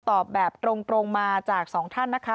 ตอบแบบตรงมาจากสองท่านนะคะ